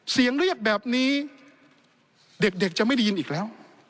เสียงเรียกแบบนี้เด็กจะไม่ได้ยินอีกแล้ว